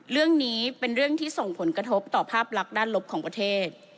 เรื่องนี้เป็นเรื่องที่ส่งผลกระทบต่อภาพลักษณ์ด้านลบของประเทศ